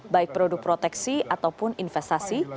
baik produk proteksi ataupun investasi